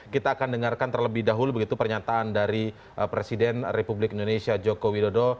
kita akan dengarkan terlebih dahulu begitu pernyataan dari presiden republik indonesia joko widodo